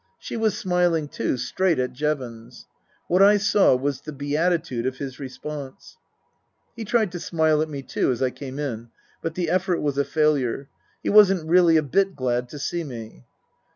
She was smiling too, straight at Jevons. What I saw was the beatitude of his response. He tried to smile at me, too, as I came in, but the effort was a failure. He wasn't really a bit glad to see me.